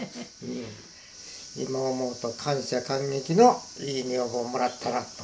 今思うと感謝感激のいい女房をもらったなと。